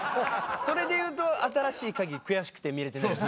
それでいうと『新しいカギ』悔しくて見れてない。